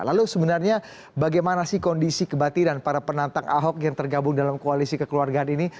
lalu sebenarnya bagaimana sih kondisi kebatiran para penantang ahok yang tergabung dalam koalisi kekeluargaan ini